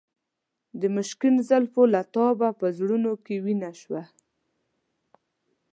د مشکین زلفو له تابه په زړونو کې وینه شوه.